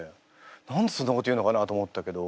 何でそんなこと言うのかなと思ったけど。